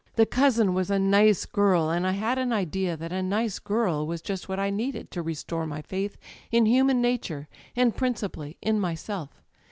''The cousin was a nice girl, and I had an idea that a nice girl was just what I needed to restore my faith in human nature, and principally in myself.